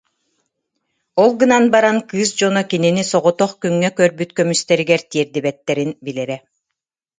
Ол гынан баран, кыыс дьоно кинини соҕотох күҥҥэ көрбүт көмүстэригэр тиэрдибэттэрин билэрэ